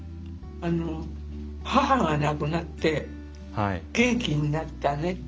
母が亡くなって元気になったねって。